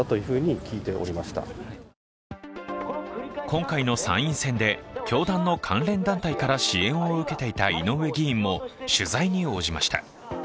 今回の参院選で、教団の関連団体から支援を受けていた井上議員も取材に応じました。